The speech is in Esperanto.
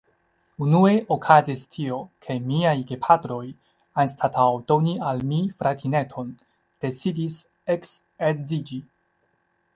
Unue okazis tio, ke miaj gepatroj, anstataŭ doni al mi fratineton, decidis eksedziĝi.